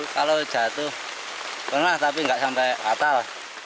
kalau jatuh pernah tapi nggak sampai fatal